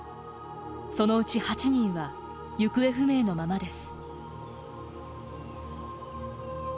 そのうち８人は行方不明のままです。